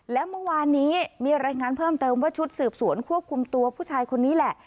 และเมื่อวานนี้มีรายงานเพิ่มเติมว่าชุดสืบสวนควบคุมตัวผู้ชายคนนี้แหละ